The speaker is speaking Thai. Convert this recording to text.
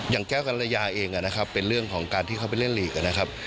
อย่างแก้วกรยาเองนะครับเป็นเรื่องของการที่เขาไปเล่นลีกนะครับ